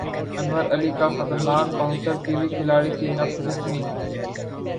انور علی کا خطرناک bouncer Kiwi کھلاڑی کی نکھ زخمی